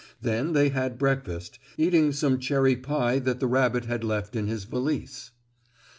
Then they had breakfast, eating some cherry pie that the rabbit had left in his valise.